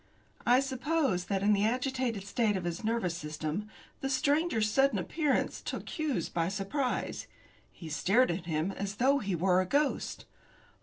I suppose that in the agitated state of his nervous system, the stranger's sudden appearance took Hughes by surprise. He stared at him as though he were a ghost.